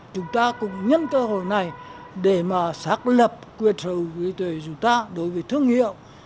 chúng ta cũng nhân cơ hội này để mà xác lập quyền sở hữu tuệ chúng ta đối với thương hiệu